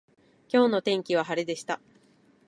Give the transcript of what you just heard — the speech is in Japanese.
今日の天気は晴れでした。